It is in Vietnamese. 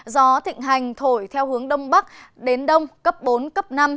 gió thịnh hành thổi theo hướng đông bắc đến đông cấp bốn cấp năm